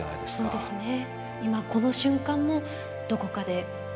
そうですよね。